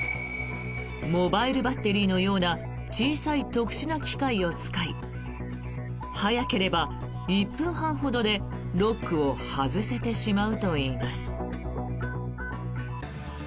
モバイルバッテリーのような小さい特殊な機械を使い早ければ１分半ほどでロックを外せてしまうといいます。